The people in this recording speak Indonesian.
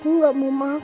aku nggak mau makan ini